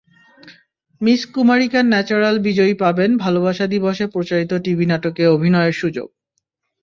Miss Kumarika natural বিজয়ী পাবেন ভালোবাসা দিবসে প্রচারিত টিভি নাটকে অভিনয়ের সুযোগ।